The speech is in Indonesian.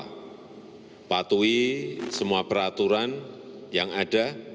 saya ingin menguji semua pemilik kapal patuhi semua peraturan yang ada